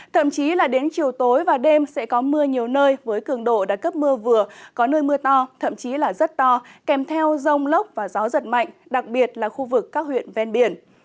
thậm chí là đến chiều tối và đêm sẽ có mưa nhiều nơi với cường độ đạt cấp mưa vừa có nơi mưa to thậm chí là rất to kèm theo rông lốc và gió giật mạnh đặc biệt là khu vực các huyện ven biển